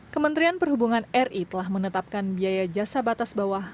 kementerian perhubungan ri telah menetapkan biaya jasa batas bawah